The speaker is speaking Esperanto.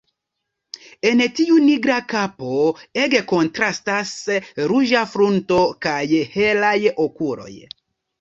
En tiu nigra kapo ege kontrastas ruĝa frunto kaj helaj okuloj.